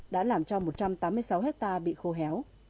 đã làm cho một trăm tám mươi sáu hectare bị khô héo